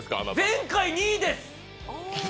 前回２位です！